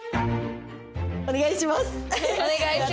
お願いします。